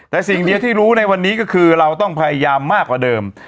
แต่สิ่งเดียวที่รู้ในวันนี้ก็คือเราต้องพยายามมากกว่าเดิม